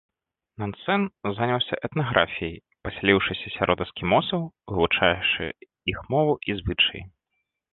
Нансен заняўся этнаграфіяй, пасяліўшыся сярод эскімосаў, вывучаючы іх мову і звычаі.